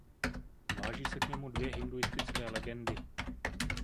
Váží se k němu dvě hinduistické legendy.